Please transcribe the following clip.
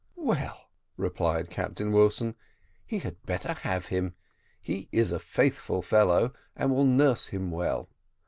"Well," replied Captain Wilson, "he had better have him: he is a faithful fellow, and will nurse him well.